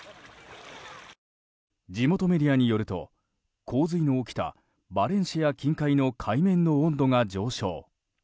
地元メディアによると洪水の起きたバレンシア近海の海面の温度が上昇。